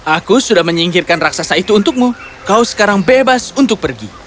aku sudah menyingkirkan raksasa itu untukmu kau sekarang bebas untuk pergi